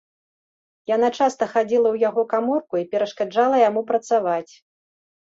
Яна часта хадзіла ў яго каморку і перашкаджала яму працаваць.